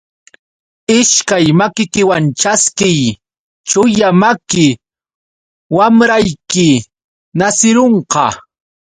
Ishkay makikiwan ćhaskiy, chulla maki wamrayki nasirunqa.